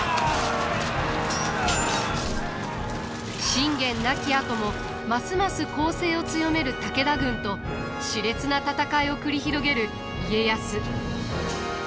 信玄亡きあともますます攻勢を強める武田軍としれつな戦いを繰り広げる家康。